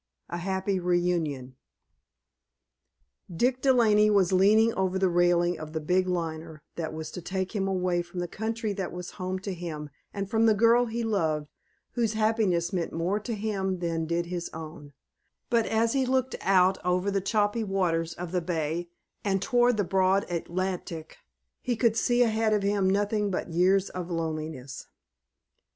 A HAPPY REUNION Dick De Laney was leaning over the railing of the big liner that was to take him away from the country that was home to him and from the girl he loved, whose happiness meant more to him than did his own, but, as he looked out over the choppy waters of the bay and toward the broad Atlantic he could see ahead of him nothing but years of loneliness.